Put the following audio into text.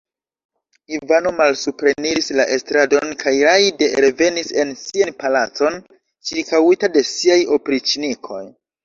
Ivano malsupreniris la estradon kaj rajde revenis en sian palacon, ĉirkaŭita de siaj opriĉnikoj.